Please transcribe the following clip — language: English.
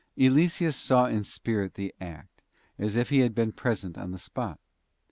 '* Eliseus saw in spirit the act, as if he had been present on the spot.